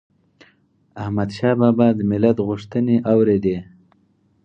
احمدشاه بابا به د ملت غوښتنې اوريدي